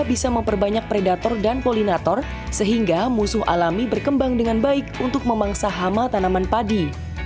bisa memperbanyak predator dan polinator sehingga musuh alami berkembang dengan baik untuk memangsa hama tanaman padi